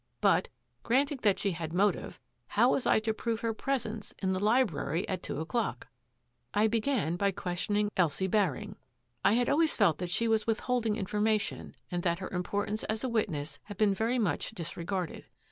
But, granting that she had motive, how was I to prove her presence in the library at two o'clock? ^^ I began by questioning Elsie Baring. I had always felt that she was withholding information and that her importance as a witness had been very much disregarded.